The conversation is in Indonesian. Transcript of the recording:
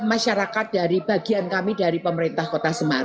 masyarakat dari bagian kami dari pemerintah kota semarang